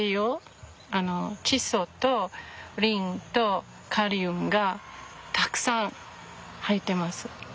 窒素とリンとカリウムがたくさん入ってます。